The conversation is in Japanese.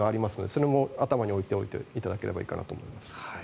それも頭に置いておいていただければと思います。